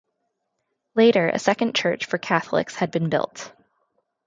Later a second church for Catholics had been built.